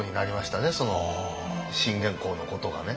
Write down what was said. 信玄公のことがね。